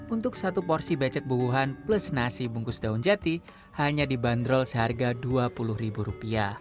untuk satu porsi becek buuhan plus nasi bungkus daun jati hanya dibanderol seharga rp dua puluh